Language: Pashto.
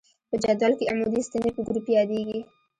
په جدول کې عمودي ستنې په ګروپ یادیږي.